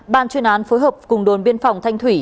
ban chuyên án phối hợp cùng đồn biên phòng thanh thủy